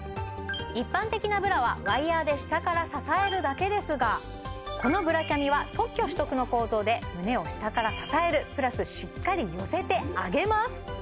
一般的なブラはワイヤーで下から支えるだけですがこのブラキャミは特許取得の構造で胸を下から支えるプラスしっかり寄せて上げます